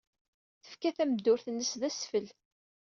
Tefka tameddurt-nnes d asfel.